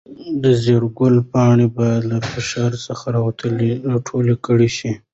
د زېړ ګل پاڼې باید له فرش څخه راټولې کړل شي.